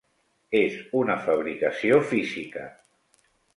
És una fabricació física.